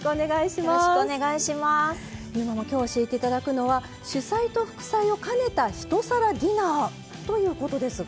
今日教えて頂くのは主菜と副菜を兼ねた一皿ディナーということですが。